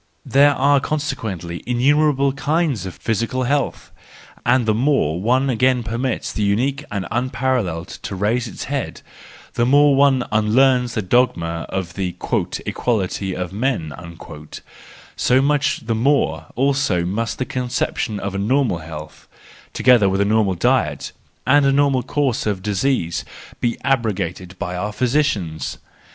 There are consequently innumerable kinds of physical health ; and the more one again permits the unique and unparalleled to raise its head, the more one unlearns the dogma of the " Equality of men," so much the more also must the conception of 4 a normal health, together with a normal diet and a normal course of disease, be abrogated by our physicians.